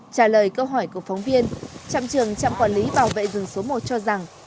trả lời câu hỏi của phóng viên trạm trường trạm quản lý bảo vệ rừng số một cho rằng